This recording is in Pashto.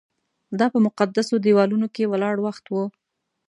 دا په مقدسو دیوالونو کې ولاړ وخت و.